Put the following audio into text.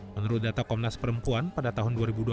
menurut data komnas perempuan pada tahun dua ribu dua puluh